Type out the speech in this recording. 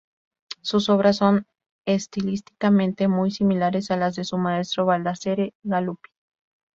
Sus obras son estilísticamente muy similares a las de su maestro Baldassare Galuppi.